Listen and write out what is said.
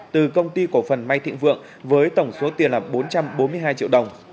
từ công ty cổ phần may thịnh vượng với tổng số tiền là bốn trăm bốn mươi hai triệu đồng